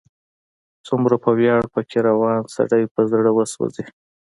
څومره په ویاړ، په کې روان، سړی په زړه وسوځي